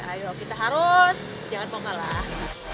ayo kita harus jangan mau kalah